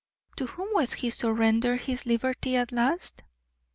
To whom has he surrendered his liberty at last?"